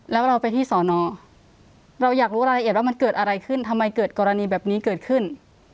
แล้วเราไปที่สอนอเราอยากรู้รายละเอียดว่ามันเกิดอะไรขึ้นทำไมเกิดกรณีแบบนี้เกิดขึ้น